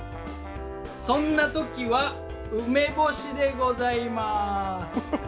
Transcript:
そんな時は梅干しでございます。